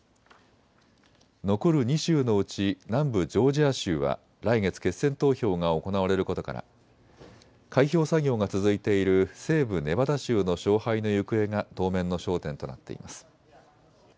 残る２州のうち南部ジョージア州は来月、決選投票が行われることから開票作業が続いている西部ネバダ州の勝敗の行方が当面の焦点となっています。